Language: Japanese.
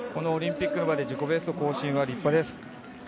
オリンピックの場で自己ベスト更新は立派です。